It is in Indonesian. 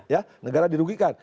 ya negara dirugikan